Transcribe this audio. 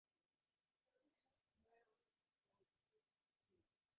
ও যেন কাঁচা হয়ে গেছে এবং ওদের মতে কিছু যেন বোকা।